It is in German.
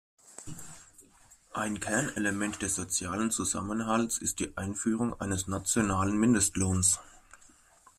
Ein Kernelement des sozialen Zusammenhalts ist die Einführung eines nationalen Mindestlohns.